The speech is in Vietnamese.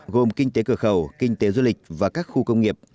gồm kinh tế cửa khẩu kinh tế du lịch và các khu công nghiệp